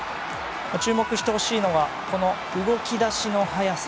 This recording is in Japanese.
注目してほしいのは動き出しの速さ。